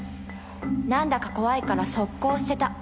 「なんだか怖いから速攻捨てた。